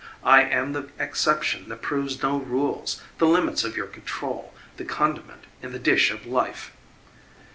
I am the exception that proves no rules, the limits of your control, the condiment in the dish of life."